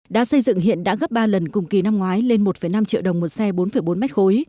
đá xây dựng hiện đã gấp ba lần cùng kỳ năm ngoái lên một năm triệu đồng một xe bốn bốn mét khối